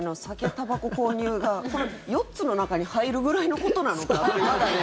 たばこ購入がこの４つの中に入るぐらいのことなのか。